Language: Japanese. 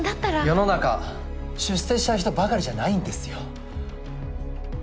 世の中出世したい人ばかりじゃないんですよ。